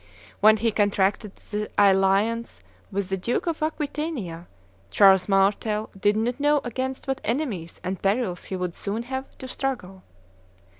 When he contracted his alliance with the Duke of Aquitania, Charles Martel did not know against what enemies and perils he would soon have to struggle.